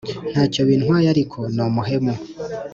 ntacyo bintwaye ariko ni umuhemu